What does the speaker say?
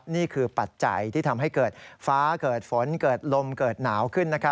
ปัจจัยที่ทำให้เกิดฟ้าเกิดฝนเกิดลมเกิดหนาวขึ้น